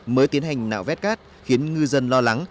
mới tiến hành nạo vét cát khiến ngư dân lo lắng